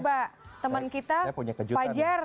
coba teman kita pak jer